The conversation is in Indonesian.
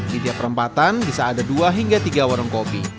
di tiap perempatan bisa ada dua hingga tiga warung kopi